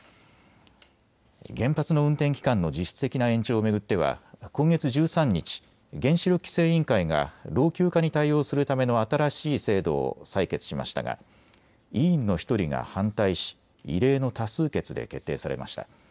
原発の運転期間の実質的な延長を巡っては今月１３日、原子力規制委員会が老朽化に対応するための新しい制度を採決しましたが委員の１人が反対し異例の多数決で決定されました。